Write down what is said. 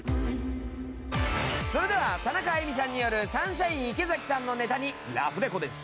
それでは田中あいみさんによるサンシャイン池崎さんのネタにラフレコです。